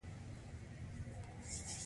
د فوسفورس سائیکل په ډبرو کې پاتې کېږي.